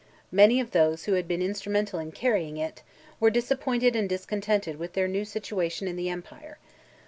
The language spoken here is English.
Many of those who had been instrumental in carrying it, were disappointed and discontented with their new situation in the empire.